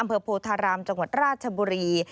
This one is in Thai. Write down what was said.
โพธารามจังหวัดราชบุรี